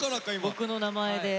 僕の名前で。